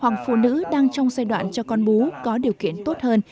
hoặc phụ nữ đang trong giai đoạn cho con bú có điều kiện tốt hơn